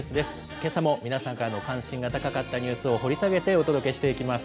けさも皆さんからの関心が高かったニュースを掘り下げてお届けしていきます。